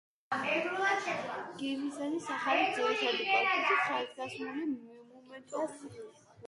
გიმნაზიის ახალი, ძირითადი კორპუსი ხაზგასმული მონუმენტურობით გამოირჩევა და კლასიცისტური ელემენტებითაა შემკული.